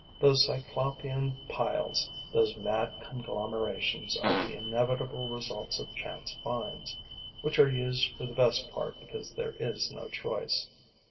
Those Cyclopean piles, those mad conglomerations, are the inevitable results of chance finds, which are used for the best because there is no choice.